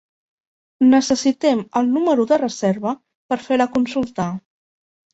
Necessitem el número de reserva per fer la consulta.